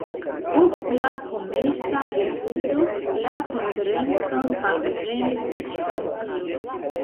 Post la komenca rifuzo, la konferencon partoprenis eĉ Francio.